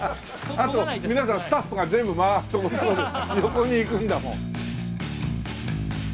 あと皆さんスタッフが全部ワーッと横に行くんだもん。